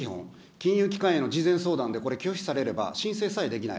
金融機関への事前相談で拒否されれば、申請さえできない。